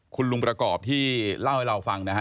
คุณลุงประกอบที่เล่าให้เราฟังนะฮะ